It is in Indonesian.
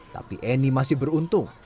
tapi annie masih beruntung